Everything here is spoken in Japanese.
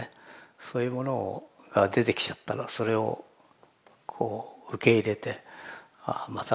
そういうものが出てきちゃったらそれをこう受け入れてああまた